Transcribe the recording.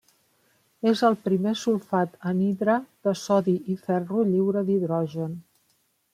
És el primer sulfat anhidre de sodi i ferro lliure d'hidrogen.